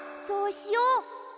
そうしよう！